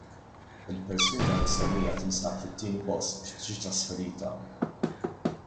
Il-persuna msemmija tinsab fit-tieni post biex tiġi trasferita.